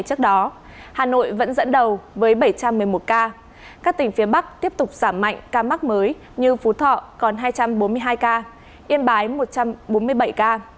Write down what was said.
các tỉnh phía bắc tiếp tục giảm mạnh ca mắc mới như phú thọ còn hai trăm bốn mươi hai ca yên bái một trăm bốn mươi bảy ca